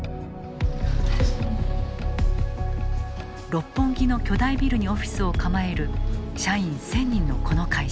六本木の巨大ビルにオフィスを構える社員１，０００人のこの会社。